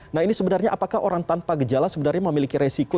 nah ini sebenarnya apakah orang tanpa gejala sebenarnya memiliki resiko